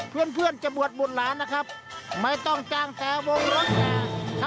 เพื่อนจะบวชบุญหลานนะครับไม่ต้องกางแก่วงหลองนะคะ